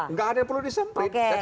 nggak ada yang perlu disemprit